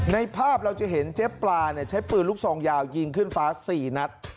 ในภาพเราจะเห็นเจ๊ปลาใช้ปืนลูกซองยาวยิงขึ้นฟ้า๔นัด